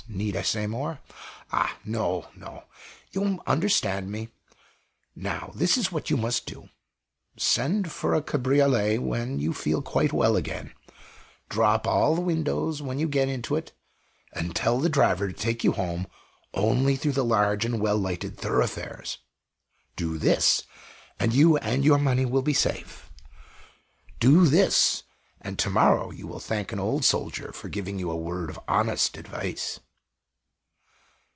Need I say more? Ah, no, no! you understand me! Now, this is what you must do send for a cabriolet when you feel quite well again draw up all the windows when you get into it and tell the driver to take you home only through the large and well lighted thoroughfares. Do this; and you and your money will be safe. Do this; and to morrow you will thank an old soldier for giving you a word of honest advice."